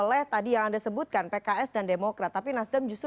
kemudian maksimal consistsator untuk pemeriksaan the espe diversity